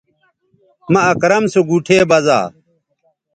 مہ اکرم سو گوٹھے بزا